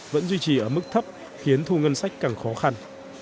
vẫn duy trì ở mức thấp khiến thu ngân sách càng khó khăn